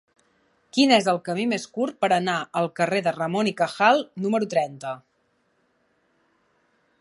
Quin és el camí més curt per anar al carrer de Ramón y Cajal número trenta?